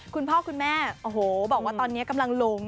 คุณพ่อคุณแม่โอ้โหบอกว่าตอนนี้กำลังหลง